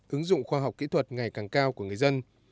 ứng dụng khoa học kỹ thuật ngày càng cao của người dân